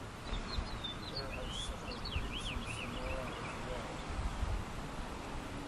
There are similar groups in Sonora as well.